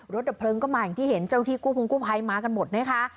ดับเพลิงก็มาอย่างที่เห็นเจ้าที่กู้พงกู้ภัยมากันหมดนะคะ